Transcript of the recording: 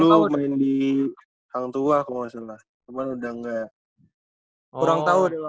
dia dulu main di hang tua kalau gak salah cuman udah gak kurang tau dia bang